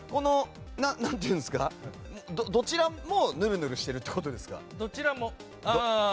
どちらもぬるぬるしてるってことですか？